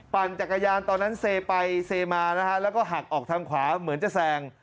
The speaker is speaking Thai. ปั่นจักรยานตอนนั้นเซไปเซมานะฮะแล้วก็หักออกทางขวาเหมือนจะแซง